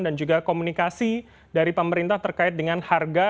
dan juga komunikasi dari pemerintah terkait dengan harga